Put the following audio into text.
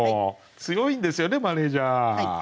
強いんですよねマネージャー。